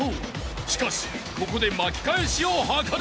［しかしここで巻き返しを図る］